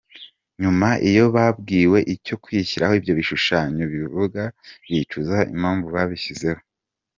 Nyuma iyo babwiwe icyo kwishyiraho ibyo bishushanyo bivuga bicuza impamvu babishyizeho.